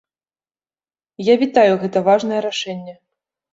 Я вітаю гэта важнае рашэнне.